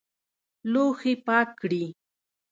لوښي پاک دي؟